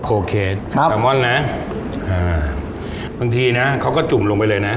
โคเคสครับแซลมอนนะอ่าบางทีนะเขาก็จุ่มลงไปเลยนะ